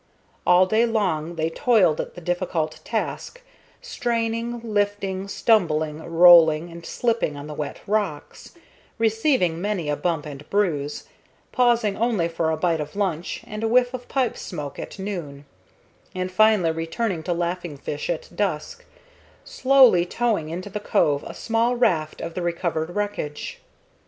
All day long they toiled at the difficult task, straining, lifting, stumbling, rolling, and slipping on the wet rocks, receiving many a bump and bruise, pausing only for a bite of lunch and a whiff of pipe smoke at noon, and finally returning to Laughing Fish at dusk, slowly towing into the cove a small raft of the recovered wreckage.